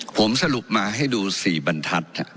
ผมสรุปมาให้ดู๔บรรทัศน์